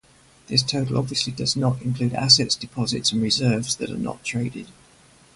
This total obviously does not include assets, deposits and reserves that are not traded.